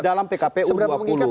pakta integritas itu seberapa mengikat